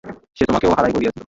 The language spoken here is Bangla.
যে তোমাকেও হায়ার করেছিল।